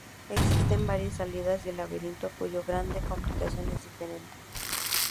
Existen varias salidas del laberinto cuyo grado de complicación es diferente.